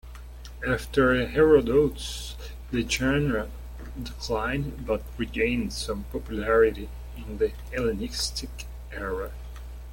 After Herodotus, the genre declined but regained some popularity in the Hellenistic era.